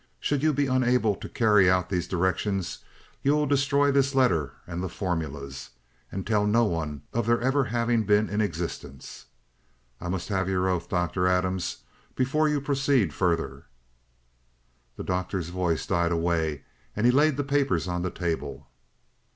Should you be unable to carry out these directions, you will destroy this letter and the formulas, and tell no one of their ever having been in existence. I must have your oath, Dr. Adams, before you proceed further.'" The Doctor's voice died away, and he laid the papers on the table.